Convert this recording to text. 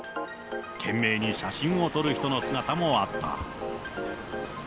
懸命に写真を撮る人の姿もあった。